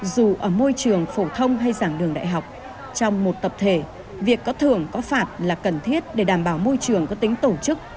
dù ở môi trường phổ thông hay giảng đường đại học trong một tập thể việc có thưởng có phạt là cần thiết để đảm bảo môi trường có tính tổ chức